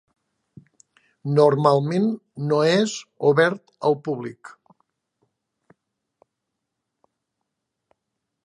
Normalment no és obert al públic.